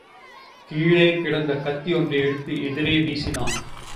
கீழே கிடந்த கத்தியொன்றை எடுத்து எதிரே வீசினான்.